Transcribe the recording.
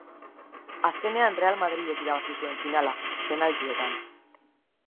Azkenean Real Madrilek irabazi zuen finala, penaltietan.